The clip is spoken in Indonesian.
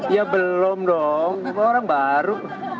ya belum dong orang baru